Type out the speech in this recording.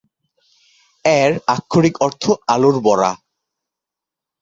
এর আক্ষরিক অর্থ "আলুর বড়া"।